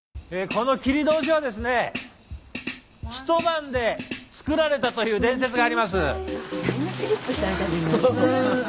この切り通しはですね一晩でつくられたという伝説があります。